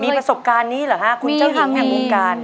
มีประสบการณ์นี่หรือฮะคุณเจ้าหลีงแห่งง่วงการมีครับ